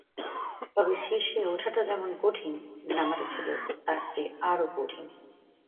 তবে শীর্ষে ওঠাটা যেমন কঠিন, নামাটা ছিল তার চেয়ে আরও কঠিন।